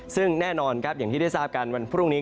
ซึ่งแน่นอนครับอย่างที่ได้ทราบกันวันพรุ่งนี้